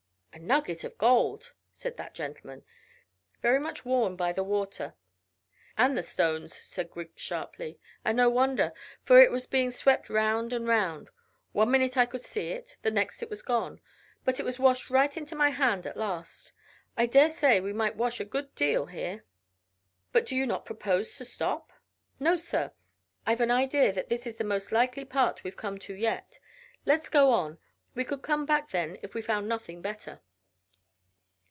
"A nugget of gold," said that gentleman, "very much worn by the water." "And the stones," said Griggs sharply; "and no wonder, for it was being swept round and round. One minute I could see it, the next it was gone; but it was washed right into my hand at last. I dare say we might wash a good deal here." "But you do not propose to stop?" "No, sir; I've an idea that this is the most likely part we've come to yet. Let's get on. We could come back then if we found nothing better."